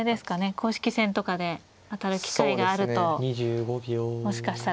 公式戦とかで当たる機会があるともしかしたらまた。